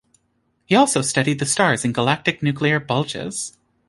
He also studied the stars in galactic nuclear bulges.